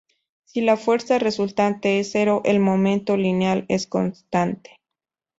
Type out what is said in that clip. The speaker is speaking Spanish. Si la fuerza resultante es cero, el momento lineal es constante.